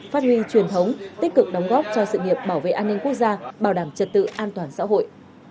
phát huy truyền thống tích cực đóng góp cho sự nghiệp bảo vệ an ninh quốc gia bảo đảm trật tự an toàn xã hội